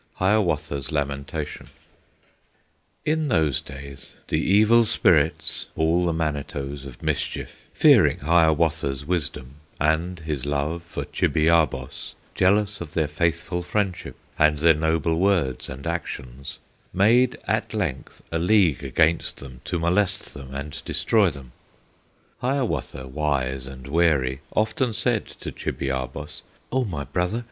XV Hiawatha's Lamentation In those days the Evil Spirits, All the Manitos of mischief, Fearing Hiawatha's wisdom, And his love for Chibiabos, Jealous of their faithful friendship, And their noble words and actions, Made at length a league against them, To molest them and destroy them. Hiawatha, wise and wary, Often said to Chibiabos, "O my brother!